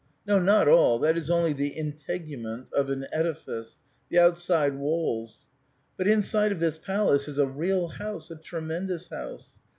No, not all ; that is only the integument of an edifice, — the outside walls. But inside of this palace is a real house, a tre mendous house